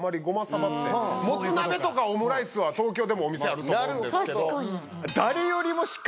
もつ鍋とかオムライスは東京でもお店あると思うんですけど。